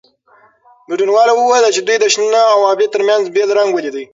ګډونوالو وویل چې دوی د شنه او ابي ترمنځ بېل رنګ ولید.